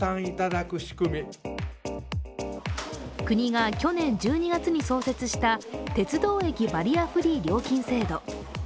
国が去年１２月に創設した鉄道駅バリアフリー料金制度。